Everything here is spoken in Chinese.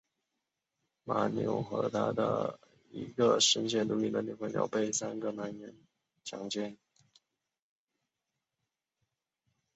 马纽和她的一个深陷毒瘾的女性朋友被三个男人强奸。